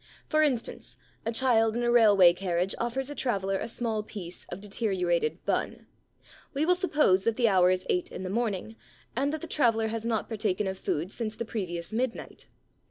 For instance, a child in a railway carriage offers a traveller a small piece of deteriorated bun. We will suppose that the hour is eight in the morning and that the traveller has not partaken of food since the previous midnight.